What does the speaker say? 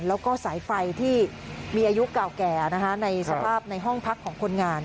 แล้วก็สายไฟที่มีอายุเก่าแก่ในสภาพในห้องพักของคนงาน